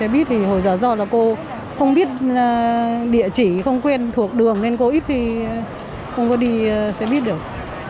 vì hồi giờ do là cô không biết địa chỉ không quên thuộc đường nên cô ít thì không có đi xe buýt được